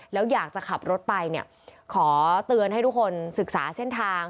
แล้วอยากจะขับรถไปเนี่ยขอเตือนให้ทุกคนศึกษาเส้นทาง